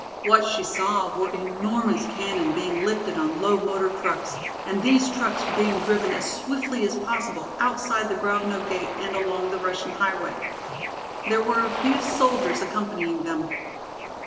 What she saw were enormous cannon being lifted on low motor trucks and these trucks being driven as swiftly as possible outside the Grovno gate and along the Russian highway. There were a few soldiers accompanying them.